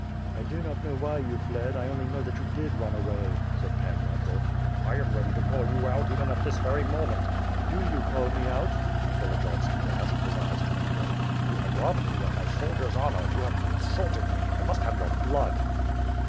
"I do not know why you fled, I only know that you did run away," said Pan Michael. "I am ready to call you out, even this very moment." "Do you call me out?" Volodiyovski asked, his eyes twink ling. "You have robbed me of my soldier's honor, you have in sulted me, I must have your blood!"